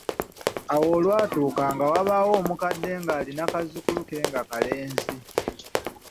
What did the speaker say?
Awo olwatuuka nga wabaawo omukadde ng’alina kazzukulu ke nga kalenzi.